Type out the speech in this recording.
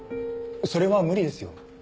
それは無理ですよ。